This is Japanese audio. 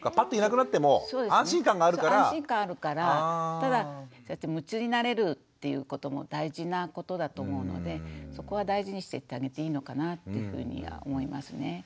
ただ夢中になれるっていうことも大事なことだと思うのでそこは大事にしていってあげていいのかなってふうには思いますね。